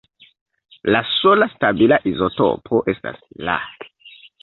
La sola stabila izotopo estas La.